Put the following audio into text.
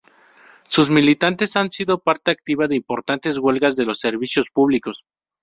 Sus militantes han sido parte activa de importantes huelgas de los servicios públicos.